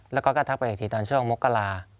แล้วก็ทักไปอีกทีตอนช่วงมกรา